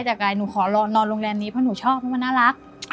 จากอะไรหนูขอนอนโรงแรมนี้เพราะหนูชอบเพราะมันน่ารัก